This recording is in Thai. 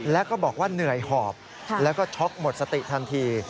แล้วก็บอกว่าเหนื่อยหอบแล้วก็ช็อกหมดสติทันที